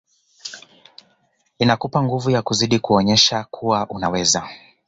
Inakupa nguvu ya kuzidi kuonyesha kuwa unaweza